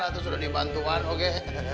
atau sudah dibantukan oke